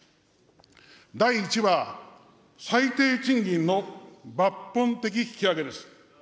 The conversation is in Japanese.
第１は、最低賃金の抜本的引き上げです。